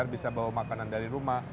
bisa bawa makanan dari rumah